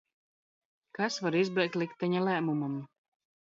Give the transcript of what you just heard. Kas var izbēgt likteņa lēmumam?